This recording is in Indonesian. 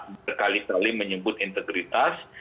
berkali kali menyebut integritas